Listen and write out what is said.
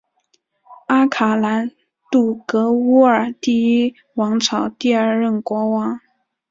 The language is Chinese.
阿卡兰杜格乌尔第一王朝第二任国王。